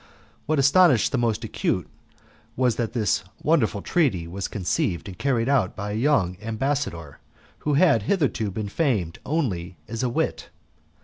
What astonished the most acute was that this wonderful treaty was conceived and carried out by a young ambassador who had hitherto been famed only as a wit.